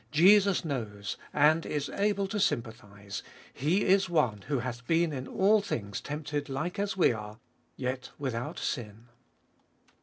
Jesus knows, and is able to sympathise, He is one who hath been in all things tempted like as we are, yet without sin.